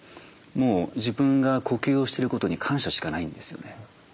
もう自分が呼吸をしてることに感謝しかないんですよね。